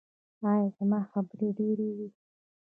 ایا زما خبرې ډیرې وې؟